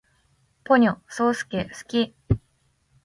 ポニョ，そーすけ，好き